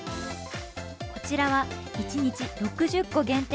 こちらは一日６０個限定。